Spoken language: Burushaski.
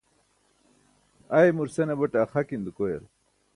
ai mur senabate axakin dukoyal